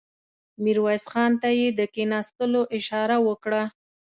ميرويس خان ته يې د کېناستلو اشاره وکړه.